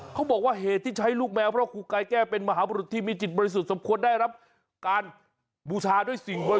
เขาบอกว่าเหตุที่ใช้ลูกแมวเพราะครูกายแก้วเป็นมหาบรุษที่มีจิตบริสุทธิ์สมควรได้รับการบูชาด้วยสิ่งบริ